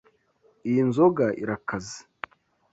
Iyi nzoga irakaze.